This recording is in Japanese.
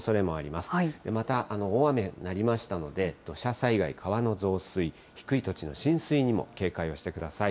また大雨になりましたので、土砂災害、川の増水、低い土地の浸水にも警戒をしてください。